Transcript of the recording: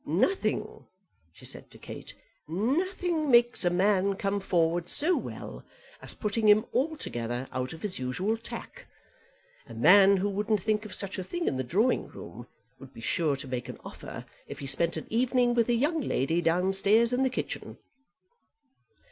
"Nothing," she said to Kate, "nothing makes a man come forward so well as putting him altogether out of his usual tack. A man who wouldn't think of such a thing in the drawing room would be sure to make an offer if he spent an evening with a young lady down stairs in the kitchen."